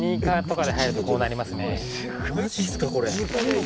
あのマジっすかこれ？